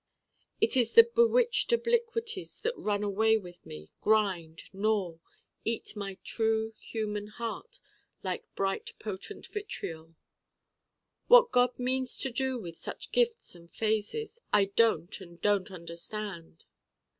It is the bewitched obliquities that run away with me: grind, gnaw, eat my true human heart like bright potent vitriol. What God means me to do with such gifts and phases I don't and don't understand.